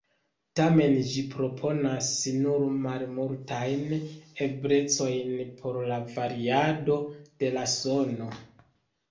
Tamen ĝi proponas nur malmultajn eblecojn por la variado de la sono.